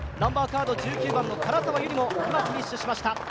１９番の唐沢ゆりも今フィニッシュしました。